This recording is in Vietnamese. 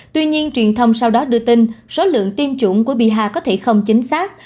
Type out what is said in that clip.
tuy nhiên truyền thông sau đó đưa tin số lượng tiêm chủng của biaha có thể không chính xác